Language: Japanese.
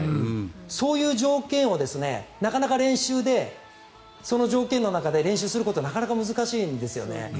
そういう条件をなかなか練習でその条件の中で練習することはなかなか難しいんですよね。